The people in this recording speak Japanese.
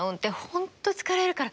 本当疲れるから